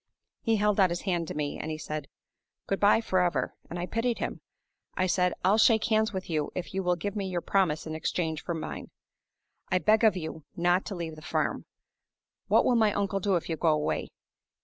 He held out his hand to me; and he said, 'Good by forever!' and I pitied him. I said, 'I'll shake hands with you if you will give me your promise in exchange for mine. I beg of you not to leave the farm. What will my uncle do if you go away?